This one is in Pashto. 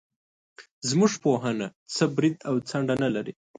زموږ پوهنه څه برید او څنډه نه لري.